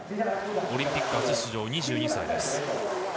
オリンピック初出場の２２歳です。